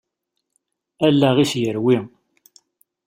Allaɣ-is yerwi.